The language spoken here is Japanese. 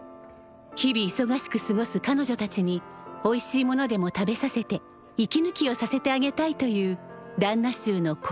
日々いそがしく過ごす彼女たちにおいしいものでも食べさせて息ぬきをさせてあげたいという旦那衆の心意気なのである。